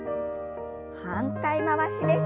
反対回しです。